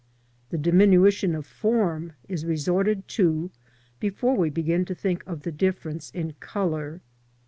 The diminution of form is resorted to before we begin to think of the difference in colour.